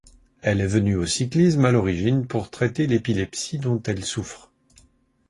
Elle est venue au cyclisme à l'origine pour traiter l'épilepsie dont elle souffre.